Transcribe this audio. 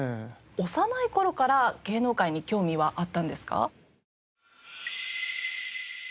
幼い頃から芸能界に興味はあったんですか？